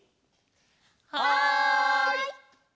はい！